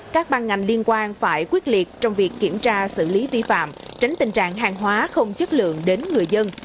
các ban ngành liên quan phải quyết liệt trong việc kiểm tra xử lý vi phạm tránh tình trạng hàng hóa không chất lượng đến người dân